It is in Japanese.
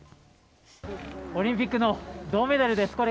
オリンピックの銅メダルです。